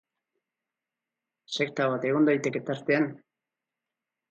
Sekta bat egon daiteke tartean?